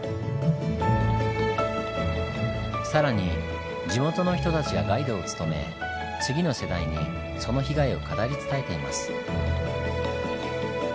更に地元の人たちがガイドを務め次の世代にその被害を語り伝えています。